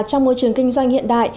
trong môi trường kinh doanh hiện đại